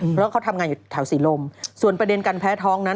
เพราะเขาทำงานอยู่แถวศรีลมส่วนประเด็นการแพ้ท้องนั้น